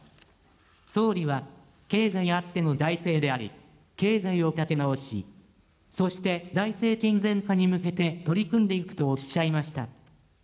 総理は経済あっての財政であり、経済を立て直し、そして財政健全化に向けて取り組んでいくとおっしゃいました。